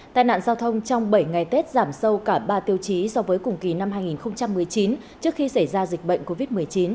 tai nạn giao thông trong bảy ngày tết giảm sâu cả ba tiêu chí so với cùng kỳ năm hai nghìn một mươi chín trước khi xảy ra dịch bệnh covid một mươi chín